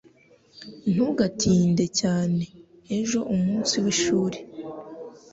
Ntugatinde cyane. Ejo umunsi w'ishuri.